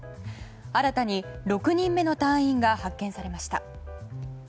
新たに６人目の隊員が発見されました。